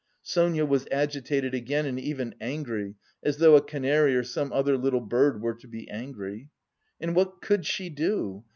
Sonia was agitated again and even angry, as though a canary or some other little bird were to be angry. "And what could she do?